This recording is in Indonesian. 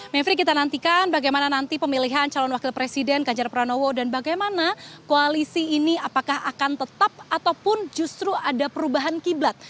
mevri kita nantikan bagaimana nanti pemilihan calon wakil presiden ganjar pranowo dan bagaimana koalisi ini apakah akan tetap ataupun justru ada perubahan kiblat